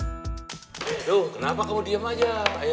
aduh kenapa kamu diem aja